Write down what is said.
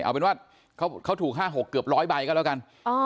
เอาเป็นว่าเขาถูก๕๖เกือบ๑๐๐ใบก็แล้วกัน